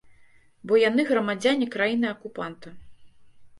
Бо яны грамадзяне краіны-акупанта.